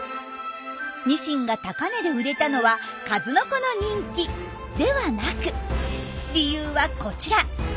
ニシンが高値で売れたのはカズノコの人気ではなく理由はこちら。